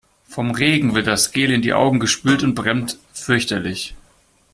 Vom Regen wird das Gel in die Augen gespült und brennt fürchterlich.